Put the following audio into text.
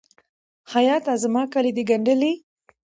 خیاطه! زما کالي د ګنډلي؟